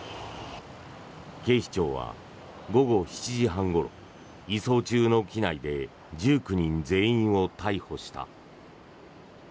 警視庁は午後７時半ごろ移送中の機内で１９人全員を逮捕した。